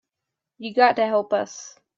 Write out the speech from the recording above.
You got to help us.